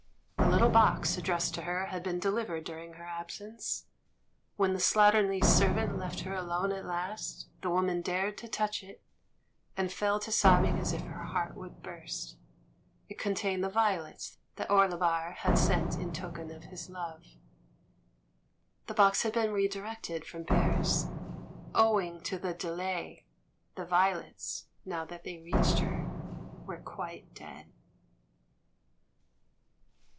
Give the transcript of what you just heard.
A little box addressed to her had been delivered during her absence ; when the slatternly servant left her alone at last, the woman dared to touch it — and fell to sobbing as if her heart would burst. It contained the violets that Orebar had sent in token of his love. The box had been redirected from Paris. Ow ing to the delay, the violets, now that they reached her, were quite dead.